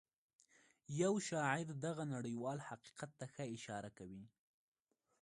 يو شاعر دغه نړيوال حقيقت ته ښه اشاره کوي.